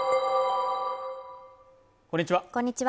こんにちは